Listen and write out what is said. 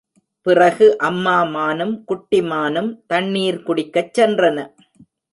பிறகு அம்மா மானும் குட்டி மானும் தண்ணீர் குடிக்கச் சென்றன.